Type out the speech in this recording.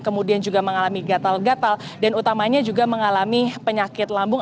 kemudian juga mengalami gatal gatal dan utamanya juga mengalami penyakit lambung